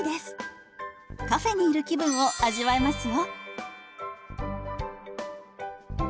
カフェにいる気分を味わえますよ。